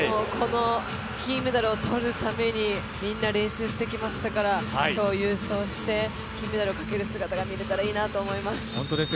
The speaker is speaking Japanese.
金メダルを取るためにみんな練習してきましたから今日優勝して金メダルをかける姿が見れたらいいなと思います。